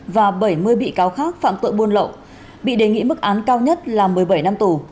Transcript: và bảy mươi bị cáo khác phạm tội buôn lậu bị đề nghị mức án cao nhất là một mươi bảy năm tù